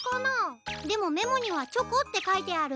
でもメモにはチョコってかいてある。